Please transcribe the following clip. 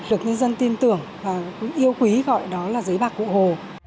được nhân dân tin tưởng và yêu quý gọi đó là giấy bạc cụ hồ